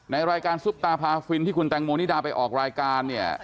ในรายการซุปตาพาฟินที่คุณแตงโมนิดาไปออกรายการเนี่ย